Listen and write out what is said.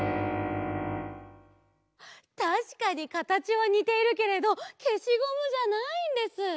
たしかにかたちはにているけれどけしゴムじゃないんです！